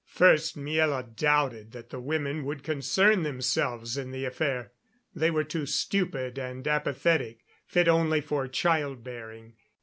First, Miela doubted that the women would concern themselves in the affair; they were stupid and apathetic fit only for child bearing.